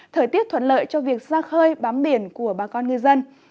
thời tiết thuận lợi cho việc ra khơi bám biển của bà con ngư dân